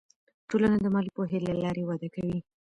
ټولنه د مالي پوهې له لارې وده کوي.